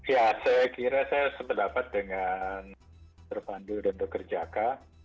ya saya kira saya setelah dapat dengan terpandu dan pekerjakan